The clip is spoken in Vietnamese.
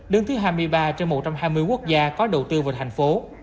đứng thứ hai mươi ba trên một trăm hai mươi quốc gia có đầu tư vào thành phố